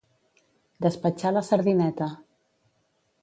Despatxar la sardineta.